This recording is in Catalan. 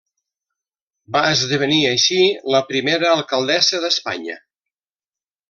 Va esdevenir, així, la primera alcaldessa d’Espanya.